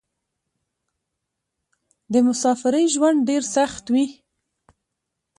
د مسافرۍ ژوند ډېر سخت وې.